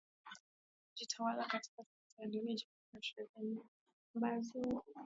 kujitawala katika siasa ya ndani Jamhuri za shirikisho ishirini na mbili ambazo